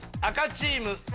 赤チーム。